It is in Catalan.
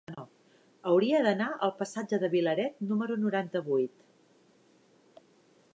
Hauria d'anar al passatge de Vilaret número noranta-vuit.